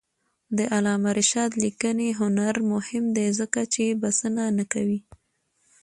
د علامه رشاد لیکنی هنر مهم دی ځکه چې بسنه نه کوي.